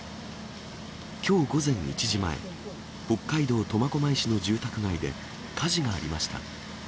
きょう午前１時前、北海道苫小牧市の住宅街で火事がありました。